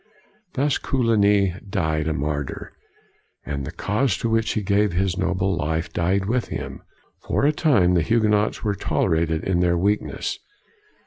Thus Coligny died a martyr, and the cause to which he gave his noble life died with him. For a time, the Huguenots were tolerated in their weakness.